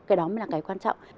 cái đó mới là cái quan trọng